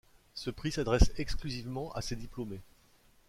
Ce prix s'adresse exclusivement à ses diplômés.